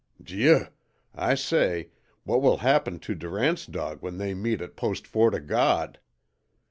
DIEU! I say, what will happen to Durant's dog when they meet at Post Fort 0' God?